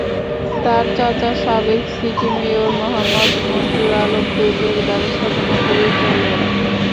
তাঁর চাচা সাবেক সিটি মেয়র মোহাম্মদ মনজুর আলম গ্রুপের ব্যবস্থাপনা পরিচালক।